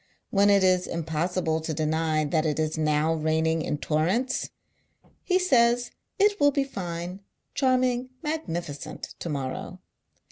When it is impossible to deny that it is now raining in torrents, he says it will be tine — charming — magnificent — to morrow.